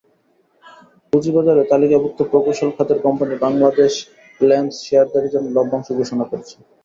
পুঁজিবাজারে তালিকাভুক্ত প্রকৌশল খাতের কোম্পানি বাংলাদেশ ল্যাম্পস শেয়ারধারীদের জন্য লভ্যাংশ ঘোষণা করেছে।